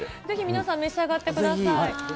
ぜひ皆さん、召し上がってください。